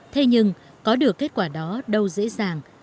thế nhưng có được kết quả đó đâu dễ dàng